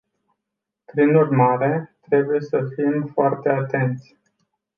Prin urmare, trebuie să fim foarte atenți.